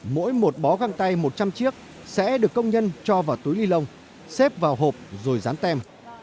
mỗi một bó găng tay một trăm linh chiếc sẽ được công nhân cho vào túi ly lông xếp vào hộp rồi dán tem